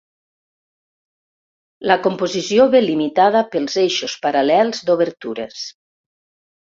La composició ve limitada pels eixos paral·lels d'obertures.